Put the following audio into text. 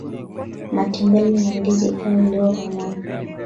matembele na ndizi pia huliwa pamoja